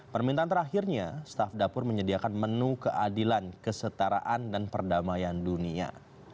permintaan terakhirnya staf dapur menyediakan menu keadilan kesetaraan dan perdamaian dunia